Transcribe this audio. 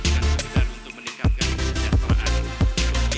yang sepeda untuk meningkatkan kejahatan